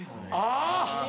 あぁ。